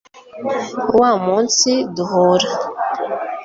Wa munsi duhura